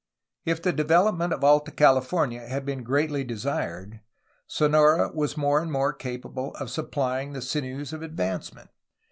If the development of Alta California had been greatly desired, Sonora was more and more capable of supplying the sinews of advancement.